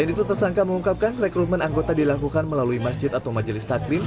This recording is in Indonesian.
selain itu tersangka mengungkapkan rekrutmen anggota dilakukan melalui masjid atau majelis taklim